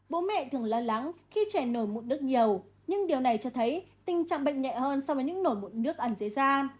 bố mẹ thường lo lắng khi trẻ nổi mụn nước nhiều nhưng điều này cho thấy tình trạng bệnh nhẹ hơn so với những nổi mụn nước ẩn dưới da